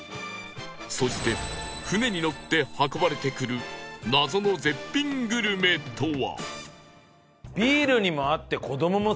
そして船にのって運ばれてくる謎の絶品グルメとは？